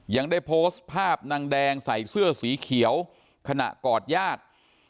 ยังได้โพสต์ภาพนางแดงใส่เสื้อสีเขียวขณะกอดญาติ